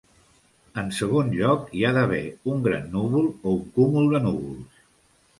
En segon lloc, hi ha d'haver un gran núvol o un cúmul de núvols.